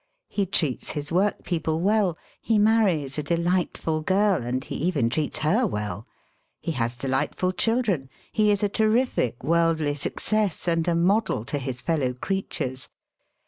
He treats his work people well. He marries a delightful girl, and he even treats her well. He has delightful children. He is a terrific worldly success, and a model to his fellow creatures.